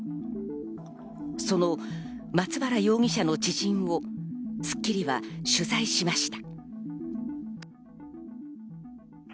その松原容疑者の知人を『スッキリ』は取材しました。